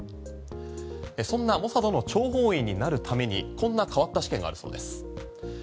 そんなモサドの諜報員になるためにこんな変わった試験があるそうです。